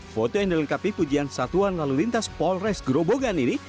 foto yang dilengkapi pujian satuan lalu lintas polres grobogan ini